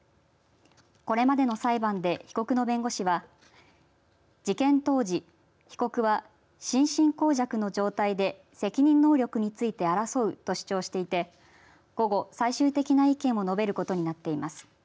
これまでの裁判で被告の弁護士は事件当時被告は、心神こう弱の状態で責任能力について争うと主張していて午後、最終的な意見を述べることになっています。